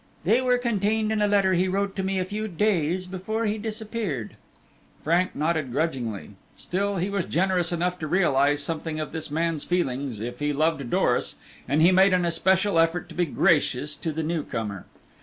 They were contained in a letter he wrote to me a few days before he disappeared." Frank nodded grudgingly; still he was generous enough to realize something of this man's feelings if he loved Doris, and he made an especial effort to be gracious to the new comer.